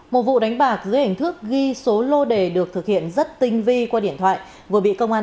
một vụ đánh bạc dưới hình thức ghi số lô đề được thực hiện rất tinh vi qua điện thoại vừa bị công an